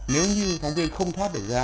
nếu như tháng ba không thoát được ra